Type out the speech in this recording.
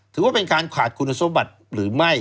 ถือว่าเป็นการขาดคุณสมบัติหรือไม่